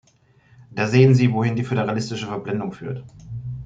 Da sehen Sie, wohin die föderalistische Verblendung führt!